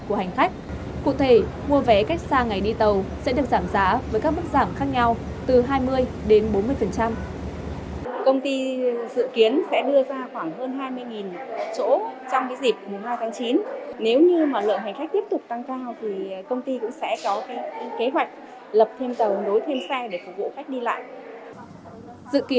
công ty dự kiến sẽ đưa ra khoảng hơn hai mươi chỗ trong dịp hai tháng chín